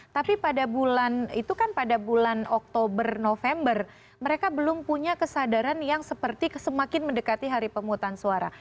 tapi pada bulan itu kan pada bulan oktober november mereka belum punya kesadaran yang seperti semakin mendekati hari pemutusan suara